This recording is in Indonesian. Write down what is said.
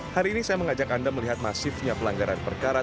hari ini saya mengajak anda melihat masifnya pelanggaran perkara